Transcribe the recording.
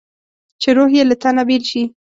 چې روح یې له تنه بېل شي.